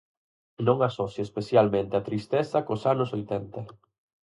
Non asocio especialmente a tristeza cos anos oitenta.